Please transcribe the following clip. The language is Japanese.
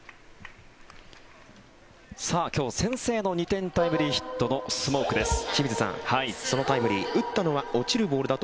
今日、先制の２点タイムリーヒットのスモークです。